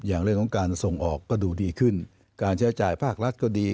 เรื่องของการส่งออกก็ดูดีขึ้นการใช้จ่ายภาครัฐก็ดี